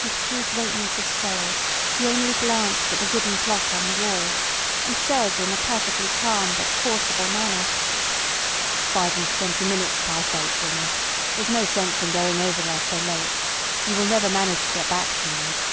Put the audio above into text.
With true greatness of soul, he only glanced at the wooden clock on the wall, and said in a perfectly calm but forcible manner: "Five and twenty minutes past eight, Winnie. There's no sense in going over there so late. You will never manage to get back to night."